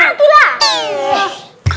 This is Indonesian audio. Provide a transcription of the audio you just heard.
dan pakai kaki lah